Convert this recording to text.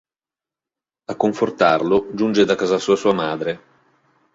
A confortarlo, giunge da casa sua madre.